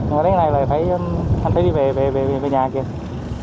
nhưng mà lúc này là phải đi về nhà kia